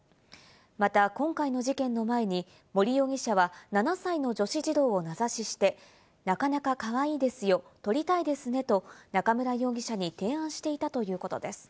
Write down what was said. また今回の事件の前に森容疑者は７歳の女子児童を名指しして、なかなかかわいいですよ、撮りたいですねと中村容疑者に提案していたということです。